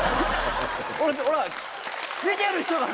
ほら見てる人がね。